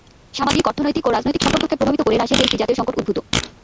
সামাজিক, অর্থনৈতিক ও রাজনৈতিক সম্পর্ককে প্রভাবিত করে রাশিয়াতে একটি জাতীয় সংকট উদ্ভূত।